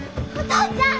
父ちゃん！